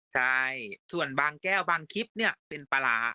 ใช่ส่วนบางแก้วบางคลิปเนี่ยเป็นปลาร้า